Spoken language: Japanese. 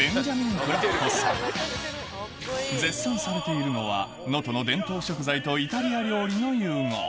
こと絶賛されているのは能登の伝統食材とイタリア料理の融合